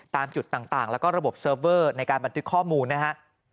ตามจุดต่างแล้วก็ระบบเซิร์ฟเวอร์ในการบันทึกข้อมูลนะฮะ